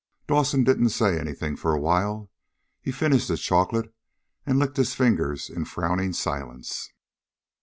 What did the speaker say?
Dawson didn't say anything for a while. He finished his chocolate and licked his fingers in frowning silence.